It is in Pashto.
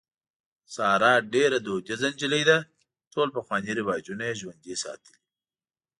ساره ډېره دودیزه نجلۍ ده. ټول پخواني رواجونه یې ژوندي ساتلي.